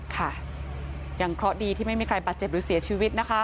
ค่ะยังเคราะห์ดีที่ไม่มีใครบาดเจ็บหรือเสียชีวิตนะคะ